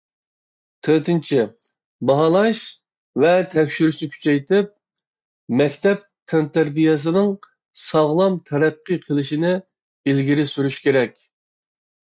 تۆتىنچى، باھالاش ۋە تەكشۈرۈشنى كۈچەيتىپ، مەكتەپ تەنتەربىيەسىنىڭ ساغلام تەرەققىي قىلىشىنى ئىلگىرى سۈرۈش كېرەك.